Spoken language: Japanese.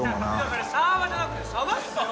それサーバーじゃなくて鯖っすよ！